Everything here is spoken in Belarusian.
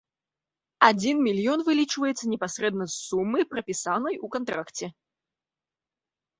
Адзін мільён вылічваецца непасрэдна з сумы, прапісанай у кантракце.